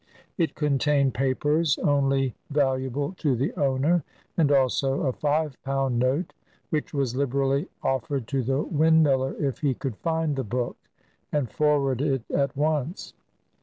It contained papers only valuable to the owner, and also a five pound note, which was liberally offered to the windmiller if he could find the book, and forward it at once.